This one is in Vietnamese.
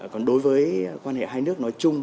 còn đối với quan hệ hai nước nói chung